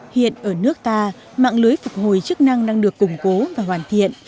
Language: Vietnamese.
hiện ở nước ta mạng lưới phục hồi chức năng đang được củng cố và hoàn thiện